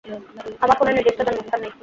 আমার কোন নির্দিষ্ট জন্মস্থান নেই।